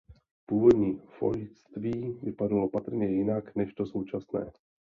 Původní fojtství vypadalo patrně jinak než to současné.